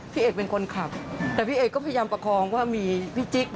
พี่เอกเป็นคนขับแต่พี่เอกก็พยายามประคองว่ามีพี่จิ๊ก